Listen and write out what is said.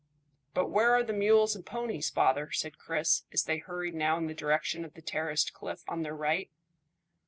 "But where are the mules and ponies, father?" said Chris, as they hurried now in the direction of the terraced cliff on their right.